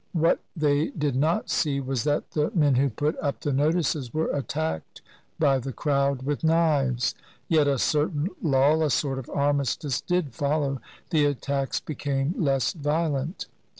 (What they did not see was that the men who put up the notices were attacked by the crowd with knives.) Yet a certain lull, a sort of armistice, did follow; the attacks became less violent.